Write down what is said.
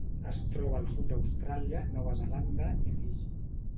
Es troba al sud d'Austràlia, Nova Zelanda i Fiji.